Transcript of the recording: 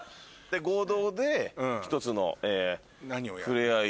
合同で１つの「ふれあい」。